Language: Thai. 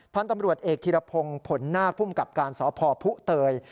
พันธุ์ตำรวจเอกธิรพงศ์ผลนาคภูมิกับการสพพุเตย